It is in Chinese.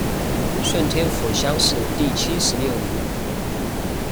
顺天府乡试第七十六名。